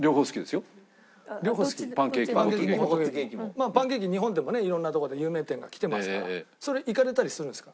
まあパンケーキ日本でもね色んなとこで有名店が来てますからそれ行かれたりするんですか？